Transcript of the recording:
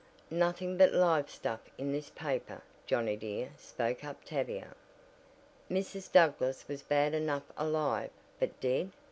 "Nothing but live stuff in this paper, Johnnie dear," spoke up Tavia. "Mrs. Douglass was bad enough alive but dead!